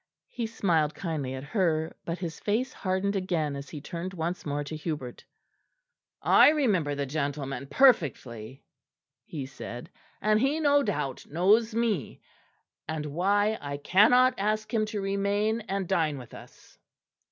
He smiled kindly at her, but his face hardened again as he turned once more to Hubert. "I remember the gentleman perfectly," he said, "and he no doubt knows me, and why I cannot ask him to remain and dine with us."